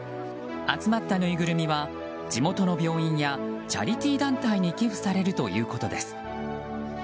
集まったぬいぐるみは地元の病院やチャリティー団体に寄付されるということです。